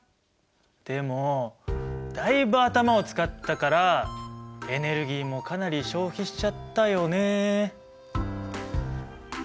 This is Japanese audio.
でもだいぶ頭を使ったからエネルギーもかなり消費しちゃったよねえ。